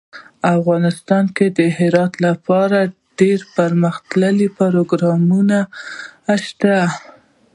افغانستان کې د هرات لپاره دپرمختیا پروګرامونه شته.